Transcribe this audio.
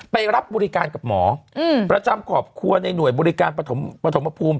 ไปรับบริการกับหมอประจำครอบครัวในหน่วยบริการปฐมภูมิ